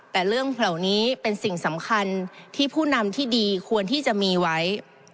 แต่เรื่องเหล่านี้เป็นสิ่งสำคัญที่ผู้นำที่ดีควรที่จะมีไว้